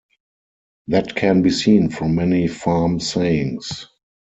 That can be seen from many farm sayings.